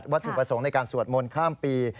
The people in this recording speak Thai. ถูกประสงค์ในการสวดมนต์ข้ามปี